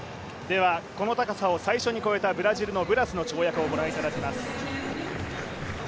この高さを最初に越えた、ブラジルのブラスの跳躍を御覧いただきます。